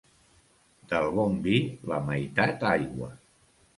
Del bon vi, la meitat aigua.